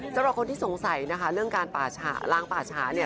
สำหรับคนที่สงสัยนะคะเรื่องการล้างป่าช้าเนี่ย